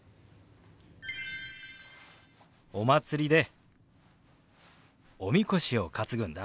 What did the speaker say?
お祭りでおみこしを担ぐんだ。